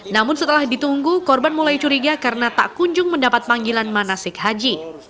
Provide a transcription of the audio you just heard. namun setelah ditunggu korban mulai curiga karena tak kunjung mendapat panggilan manasik haji